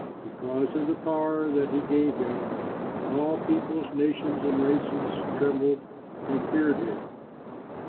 Because of the power that he gave him, all peoples, nations, and races trembled and feared him.